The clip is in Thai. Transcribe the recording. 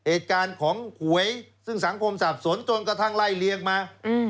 เหตุการณ์ของหวยซึ่งสังคมสับสนจนกระทั่งไล่เลี้ยงมา